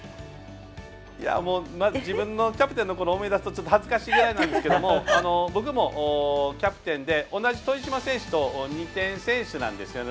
まだ自分のキャプテンの頃を思い出すと恥ずかしいぐらいなんですが僕もキャプテンで豊島選手と同じ２点選手なんですよね。